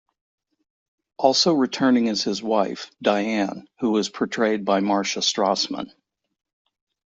Also returning is his wife, Diane, who is portrayed by Marcia Strassman.